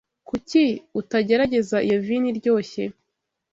Kuki utagerageza iyo vino iryoshye?